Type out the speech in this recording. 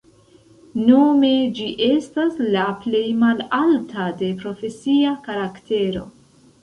Nome ĝi estas la plej malalta de profesia karaktero.